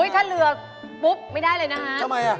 ถ้าเรือปุ๊บไม่ได้เลยนะฮะทำไมล่ะ